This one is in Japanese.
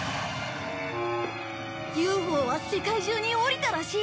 ＵＦＯは世界中に降りたらしい。